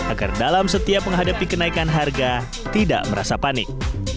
agar dalam setiap menghadapi kenaikan harga tidak merasa panik